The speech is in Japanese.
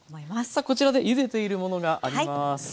さあこちらでゆでているものがあります。